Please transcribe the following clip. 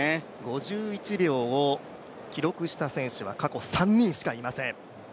５１秒を記録した選手は過去３人しかいません。